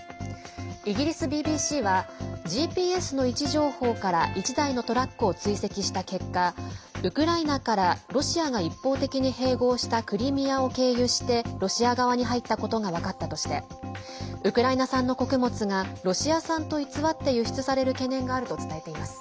イギリスＢＢＣはＧＰＳの位置情報から１台のトラックを追跡した結果ウクライナからロシアが一方的に併合したクリミアを経由してロシア側に入ったことが分かったとしてウクライナ産の穀物がロシア産と偽って輸出される懸念があると伝えています。